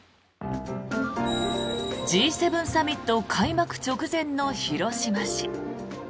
Ｇ７サミット開幕直前の広島市。